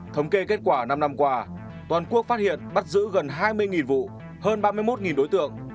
thống kê kết quả năm năm qua toàn quốc phát hiện bắt giữ gần hai mươi vụ hơn ba mươi một đối tượng